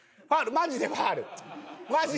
マジでファウルやから！